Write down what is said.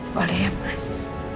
boleh ya mas